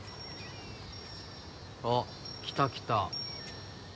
おっ来た来た。